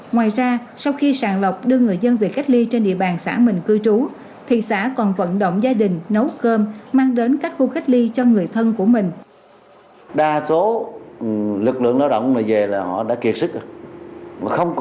ngoài ra sau khi sàng lọc đưa người dân về cách ly trên địa bàn xã mình cư trú thị xã còn vận động gia đình nấu cơm mang đến các khu cách ly cho người thân của mình